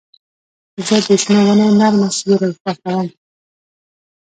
زه د شنو ونو نرمه سیوري خوښوم.